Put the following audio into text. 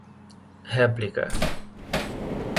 réplica